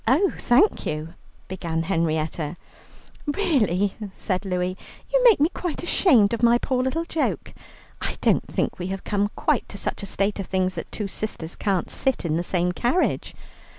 "Oh, thank you," began Henrietta. "Really," said Louie, "you make me quite ashamed of my poor little joke. I don't think we have come quite to such a state of things that two sisters can't sit in the same carriage.